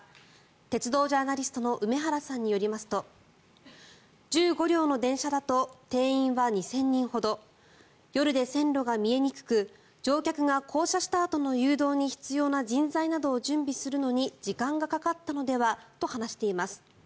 鉄道ジャーナリストの梅原さんによりますと１５両の電車だと定員は２０００人ほど夜で線路が見えにくく乗客が降車したあとの誘導に必要な人材などを準備するのに時間がかかったのではと話しています。